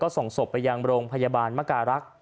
ส่งศพไปยังโรงพยาบาลมการรักษ์